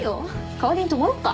代わりに泊まろっか？